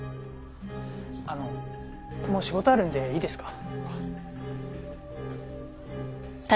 あのもう仕事あるんでいいですか？